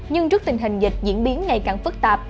nhưng trước tình hình dịch diễn biến ngày càng phức tạp